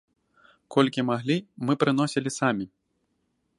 Колькі маглі, мы прыносілі самі.